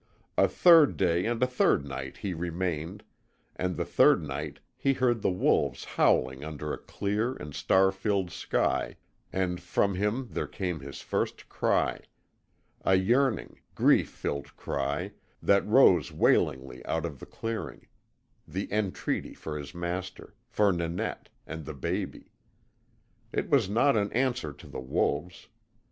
A third day and a third night he remained, and the third night he heard the wolves howling under a clear and star filled sky, and from him there came his first cry a yearning, grief filled cry that rose wailingly out of the clearing; the entreaty for his master, for Nanette, and the baby. It was not an answer to the wolves.